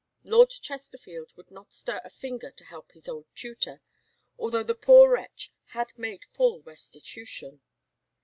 Lord Chesterfield would not stir a finger to help his old tutor, although the poor wretch had made full restitution.